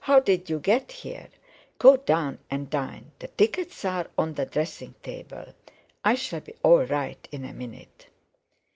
How did you get here? Go down and dine—the tickets are on the dressing table. I shall be all right in a minute."